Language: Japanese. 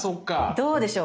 どうでしょう